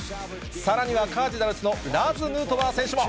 さらにはカージナルスのラーズ・ヌートバー選手も。